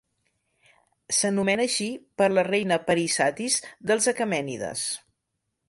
S'anomena així per la reina Parisatis dels aquemènides.